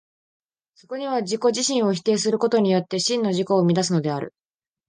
そこには自己自身を否定することによって、真の自己を見出すのである。